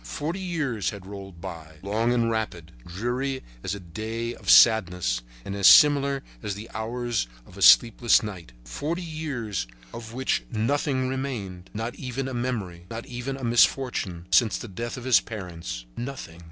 Forty years had rolled by, long and rapid, dreary as a day of sadness and as similar as the hours of a sleepless night. Forty years of which nothing remained, not even a memory, not even a misfortune, since the death of his parents. Nothing.